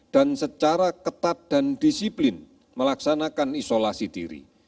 dan secara ketat dan disiplin melaksanakan isolasi diri